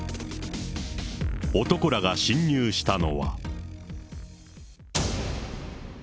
男らが侵入したのは。